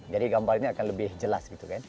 jadi gambarnya akan lebih jelas gitu kan